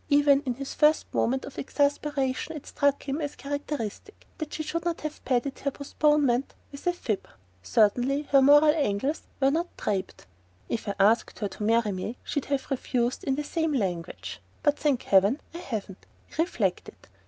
Even in his first moment of exasperation it struck him as characteristic that she should not have padded her postponement with a fib. Certainly her moral angles were not draped! "If I asked her to marry me, she'd have refused in the same language. But thank heaven I haven't!" he reflected.